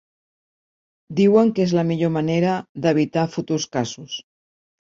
Diuen que és la millor manera d’evitar futurs casos.